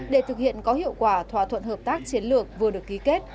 để thực hiện có hiệu quả thỏa thuận hợp tác chiến lược vừa được ký kết